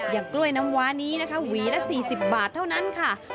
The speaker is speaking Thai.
กล้วยน้ำว้านี้นะคะหวีละ๔๐บาทเท่านั้นค่ะ